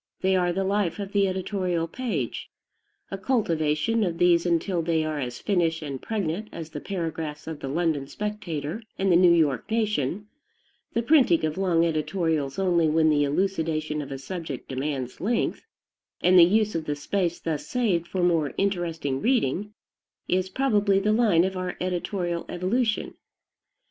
They are the life of the editorial page. A cultivation of these until they are as finished and pregnant as the paragraphs of "The London Spectator" and "The New York Nation," the printing of long editorials only when the elucidation of a subject demands length, and the use of the space thus saved for more interesting reading, is probably the line of our editorial evolution.